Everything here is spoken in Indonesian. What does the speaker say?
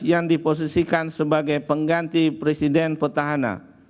yang diposisikan sebagai pengganti presiden petahana